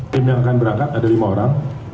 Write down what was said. tim yang akan berangkat ada lima orang